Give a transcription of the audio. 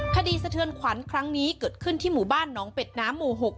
สะเทือนขวัญครั้งนี้เกิดขึ้นที่หมู่บ้านน้องเป็ดน้ำหมู่๖